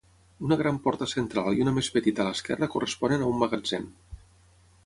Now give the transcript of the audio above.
Una gran porta central i una més petita a l'esquerra corresponen a un magatzem.